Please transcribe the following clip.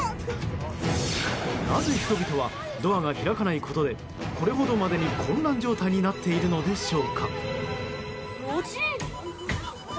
なぜ、人々はドアが開かないことでこれほどまでに混乱状態になっているのでしょうか。